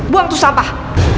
buang tuh sampah